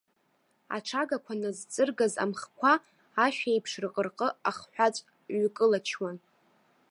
Аҽагақәа назҵыргаз амхқәа, ашәа еиԥш рҟырҟы ахҳәаҵә ҩкылачуан.